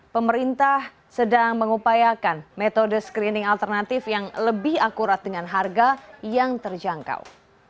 pemerintah sedang mengupayakan metode screening alternatif yang lebih akurat dengan harga yang terjangkau